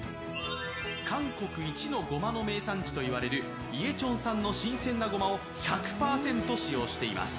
韓国一のごまの名産地と言われるイェチョン産の新鮮なごまを１００％使用しています。